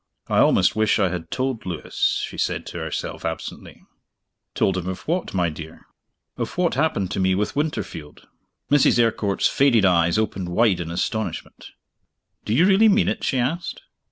"I almost wish I had told Lewis," she said to herself absently. "Told him of what, my dear?" "Of what happened to me with Winterfield." Mrs. Eyrecourt's faded eyes opened wide in astonishment. "Do you really mean it?" she asked.